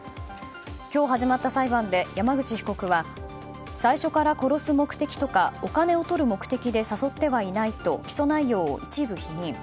今日始まった裁判で山口被告は最初から殺す目的とかお金をとる目的で誘ってはいないと起訴内容を一部否認。